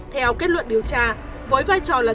theo kết luận điều tra với vai trò là